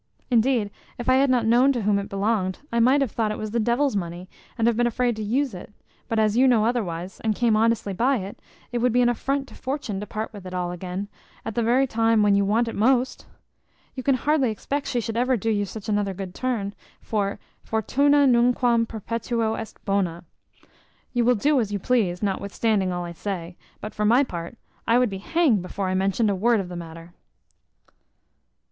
Indeed, if I had not known to whom it belonged, I might have thought it was the devil's money, and have been afraid to use it; but as you know otherwise, and came honestly by it, it would be an affront to fortune to part with it all again, at the very time when you want it most; you can hardly expect she should ever do you such another good turn; for fortuna nunquam perpetuo est bona. You will do as you please, notwithstanding all I say; but for my part, I would be hanged before I mentioned a word of the matter."